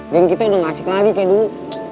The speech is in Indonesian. geng kita udah gak asik lagi kayak dulu